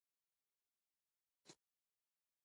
غیچي مو هیره نه شي